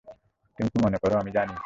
তুমি কি মনে করো আমি জানি।